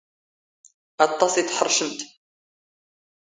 ⴰⵟⵟⴰⵚ ⵉ ⵜⵃⵕⵛⵎⵜ.